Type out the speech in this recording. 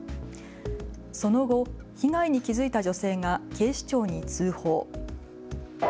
その後、被害に気付いた女性が警視庁に通報。